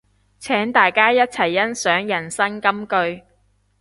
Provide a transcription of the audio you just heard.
請大家一齊欣賞人生金句